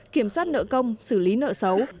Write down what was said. kiểm soát nợ công xử lý nợ xấu